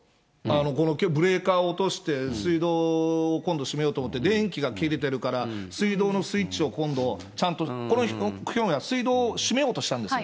このブレーカーを落として、水道、今度しめようと思って、電気が切れてるから、水道のスイッチをちゃんと、この人は水道を閉めようとしたんです。